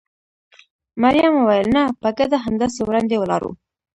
مريم وویل: نه، په ګډه همداسې وړاندې ولاړو.